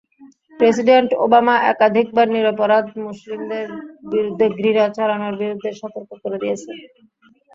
President Obama একাধিকবার নিরপরাধ মুসলিমদের বিরুদ্ধে ঘৃণা ছড়ানোর বিরুদ্ধে সতর্ক করে দিয়েছেন।